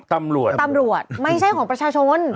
ย์ตำรวจ